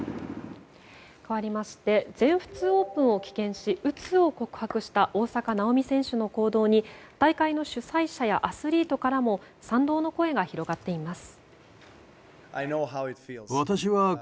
かわりまして全仏オープンを棄権しうつを告白した大坂なおみ選手の行動に大会の主催者やアスリートからも賛同の声が広がっています。